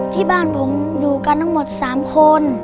ที่บ้านผมอยู่กันทั้งหมด๓คน